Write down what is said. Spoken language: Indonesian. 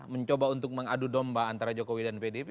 mencoba untuk mengadu domba antara jokowi dan pdp